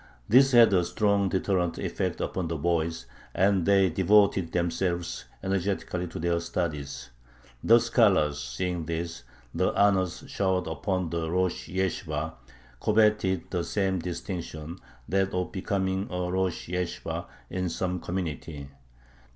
This had a strong deterrent effect upon the boys, and they devoted themselves energetically to their studies.... The scholars, seeing this [the honors showered upon the rosh yeshibah], coveted the same distinction, that of becoming a rosh yeshibah in some community.